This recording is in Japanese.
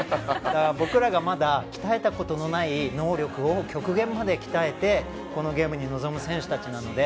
僕らがまだ鍛えたことのない能力を極限まで鍛えてこのゲームに臨む選手たちなので。